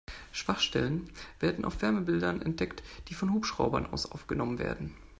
Schwachstellen werden auf Wärmebildern entdeckt, die von Hubschraubern aus aufgenommen werden.